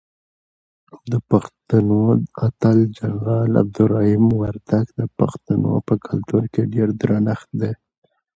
دپښتنو اتل جنرال عبدالرحیم وردک دپښتنو په کلتور کې ډیر درنښت دی.